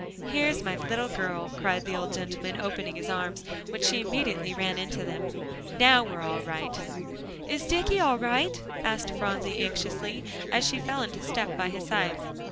"Here's my little girl," cried the old gentleman, opening his arms, when she immediately ran into them. "Now we're all right." "Is Dicky all right?" asked Phronsie anxiously, as she fell into step by his side.